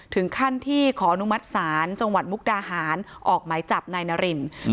ถึงขั้นที่ขออนุมัติศาลจังหวัดมุกดาหารออกหมายจับนายนาริน